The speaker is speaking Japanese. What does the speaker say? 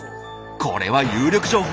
これは有力情報！